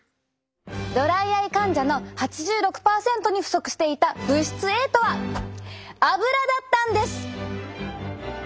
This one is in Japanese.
ドライアイ患者の８６％に不足していた物質Ａとはアブラだったんです。